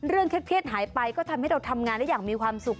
เครียดหายไปก็ทำให้เราทำงานได้อย่างมีความสุข